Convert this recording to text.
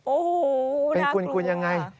โอ้โหน่ากลัวเป็นคุณยังไง